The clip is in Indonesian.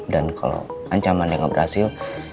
dan kalau ancaman dia gak berhasil